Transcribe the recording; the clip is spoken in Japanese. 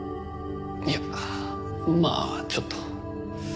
いやまあちょっと。